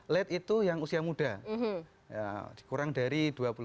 lat itu yang usia muda kurang dari dua puluh lima